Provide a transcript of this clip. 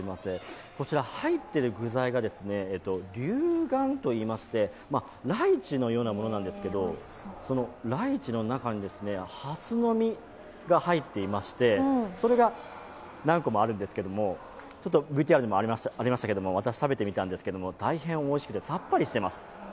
こちら入っている具材がリュウガンといいまして、ライチのようなものなんですけど、そのライチの中にはすの実が入っていましてそれが何個もあるんですがＶＴＲでもありましたけれども、私、食べてみたんですけれども、大変おいしくて、さっぱりしています。